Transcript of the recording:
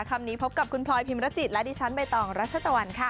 คำนี้พบกับคุณพลอยพิมรจิตและดิฉันใบตองรัชตะวันค่ะ